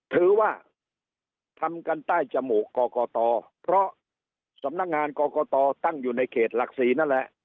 ถือว่าทำกันใต้จมูกกตเพราะสำนักงานกรกตตั้งอยู่ในเขตหลักศรีนั่นแหละ